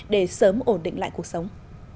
để sớm ổn định lại cuộc sống